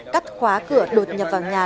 cắt khóa cửa đột nhập vào nhà